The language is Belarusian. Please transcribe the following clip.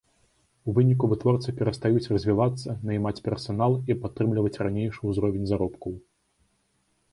У выніку вытворцы перастаюць развівацца, наймаць персанал і падтрымліваць ранейшы ўзровень заробкаў.